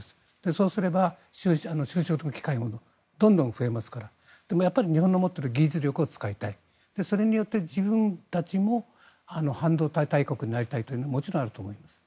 そうすれば就職の機会もどんどん増えますからでも日本の持っている技術力を使いたいそれによって自分たちも半導体大国になりたいというのはもちろんあると思います。